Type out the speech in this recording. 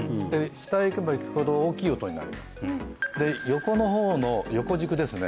下へ行けば行くほど大きい音になりますで横の方の横軸ですね